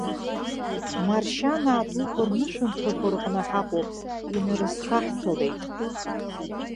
Маршьанаа дуқәа рнышәынҭрақәа рҟны ҳаҟоуп, инарызхаҳҭәалеит.